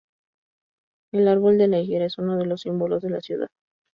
El árbol de la Higuera es uno de los símbolos de la ciudad.